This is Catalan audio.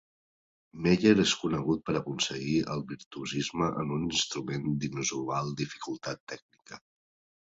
Meyer és conegut per aconseguir el virtuosisme en un instrument d'inusual dificultat tècnica.